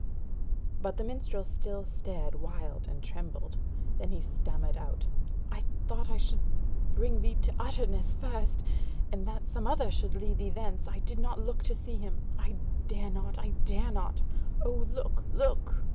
But the minstrel still stared wild and trembled; then he stammered out: "I thought I should bring thee to Utterness first, and that some other should lead thee thence, I did not look to see him. I dare not, I dare not! O look, look!"